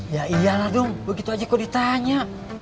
ya iyalah dong begitu aja kok ditanya